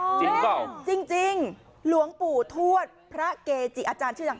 จริงเปล่าจริงจริงหลวงปู่ทวดพระเกจิอาจารย์ชื่อดัง